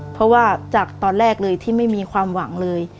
เพราะว่าจากตอนแรกเลยที่ไม่มีความหวังเลย